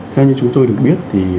theo như chúng tôi được biết thì